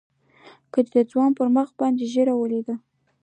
که د ځوان پر مخ دې ږيره وليده.